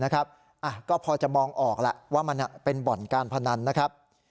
ก็พอจะมองออกแหละว่ามันเป็นบ่อนการพนันนะครับ